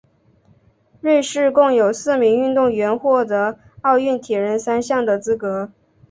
瑞士共有四名运动员获得奥运铁人三项的资格。